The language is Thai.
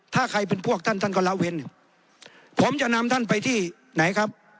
ถ้าใครเป็นพวกท่านท่านก็ละเว้นผมจะนำท่านไปที่ไหนครับ